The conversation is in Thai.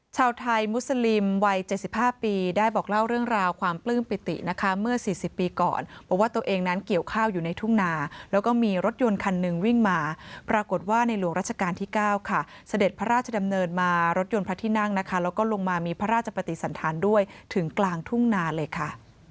ชาวไทยมุสลิมวัย๗๕ปีได้บอกเล่าเรื่องราวความปลื้มปิตินะคะเมื่อ๔๐ปีก่อนบอกว่าตัวเองนั้นเกี่ยวข้าวอยู่ในทุ่งนาแล้วก็มีรถยนต์คันหนึ่งวิ่งมาปรากฏว่าในหลวงราชการที่๙ค่ะเสด็จพระราชดำเนินมารถยนต์พระที่นั่งนะคะแล้วก็ลงมามีพระราชปฏิสันธารด้วยถึงกลางทุ่งนาเลยค่ะ